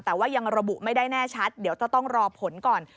แต่ว่ายังระบุไม่ได้แน่ชัดเดี๋ยวจะต้องรอผลก่อน